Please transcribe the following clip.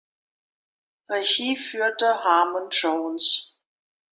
Regie führte Harmon Jones.